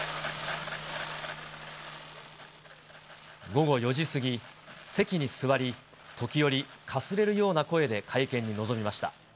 午後４時過ぎ、席に座り、時折、かすれるような声で会見に臨みました。